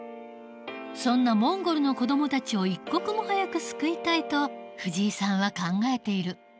そんなモンゴルの子どもたちを一刻も早く救いたいと藤井さんは考えている。